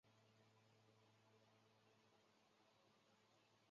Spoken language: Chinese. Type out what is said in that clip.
休斯普莱斯是位于美国加利福尼亚州比尤特县的一个非建制地区。